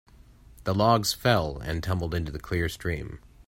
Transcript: The logs fell and tumbled into the clear stream.